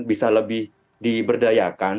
bisa lebih diberdayakan